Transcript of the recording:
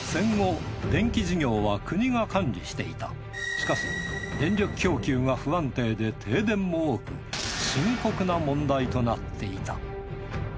しかし電力供給が不安定で停電も多く深刻な問題となっていた。